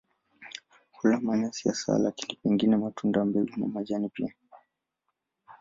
Hula manyasi hasa lakini pengine matunda, mbegu na majani pia.